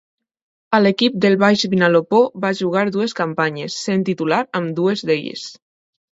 A l'equip del Baix Vinalopó va jugar dues campanyes, sent titular ambdues elles.